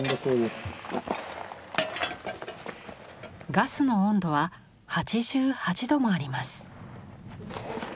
ガスの温度は８８度もあります。